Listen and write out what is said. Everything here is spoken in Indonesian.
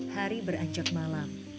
hari beranjak malam